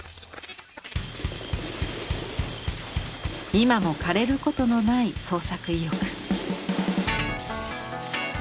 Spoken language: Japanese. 今も枯れることのない創作意欲。